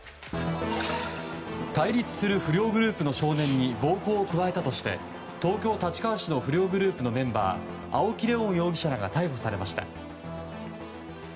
対立する不良グループの少年に暴行を加えたとして東京・立川市の不良グループのメンバー青木玲音容疑者らが逮捕されました。